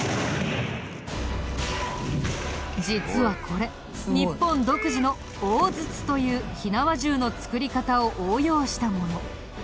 実はこれ日本独自の大筒という火縄銃のつくり方を応用したもの。